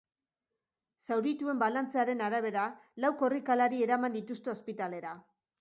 Zaurituen balantzearen arabera, lau korrikalari eraman dituzte ospitalera.